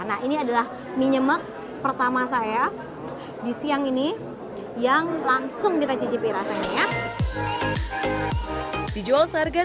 nah ini adalah mie nyemek pertama saya di siang ini yang langsung kita cicipi rasanya ya dijual seharga